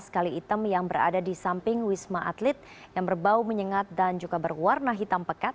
kali item yang berada di samping wisma atlet yang berbau menyengat dan juga berwarna hitam pekat